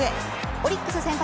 オリックス先発